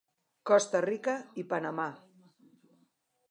Costa Rica i Panamà.